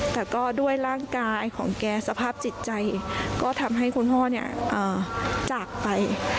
แต่ก็ด้วยร่างกายของแกสภาพจิตใจก็ทำให้คุณพ่อเนี่ยจากไป